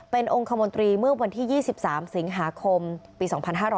เป็นองค์คมนตรีเมื่อวันที่๒๓สิงหาคมปี๒๕๕๙